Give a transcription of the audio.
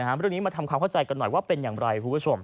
เรื่องนี้มาทำความเข้าใจกันหน่อยว่าเป็นอย่างไรคุณผู้ชม